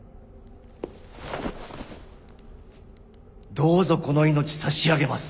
どうぞこの命差し上げます。